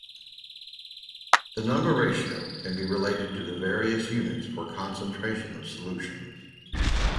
The number ratio can be related to the various units for concentration of solutions.